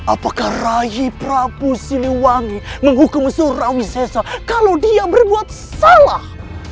apakah raih prabu siliwangi menghukum surawi sesarai kalau dia berbuat salah